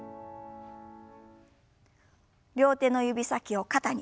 両手の指先を肩に。